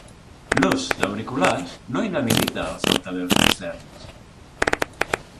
L'ús d'auriculars no inhabilita els altaveus externs.